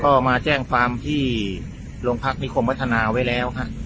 ก็มาแจ้งความที่โรงพักนิคมพัฒนาไว้แล้วฮะ